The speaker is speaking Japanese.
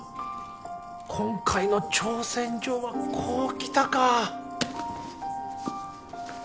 今回の挑戦状はこうきたかぁ。